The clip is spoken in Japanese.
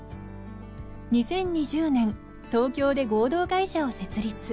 ２０２０年東京で合同会社を設立。